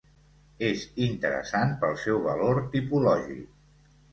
És interessant pel seu valor tipològic.